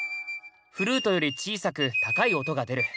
フルートより小さく高い音が出る。